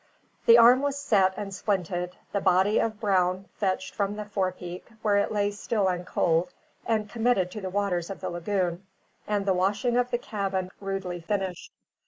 The arm was set and splinted; the body of Brown fetched from the forepeak, where it lay still and cold, and committed to the waters of the lagoon; and the washing of the cabin rudely finished.